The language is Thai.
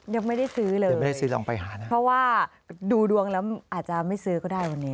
ยังไม่ได้ซื้อเลยเพราะว่าดูดวงแล้วอาจจะไม่ซื้อก็ได้วันนี้